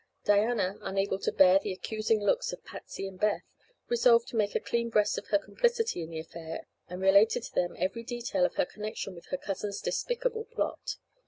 Diana, unable to bear the accusing looks of Patsy and Beth, resolved to make a clean breast of her complicity in the affair and related to them every detail of her connection with her cousin's despicable plot.